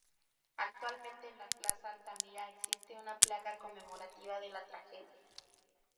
Actualmente en la Plaza Altamira existe una placa conmemorativa de la tragedia.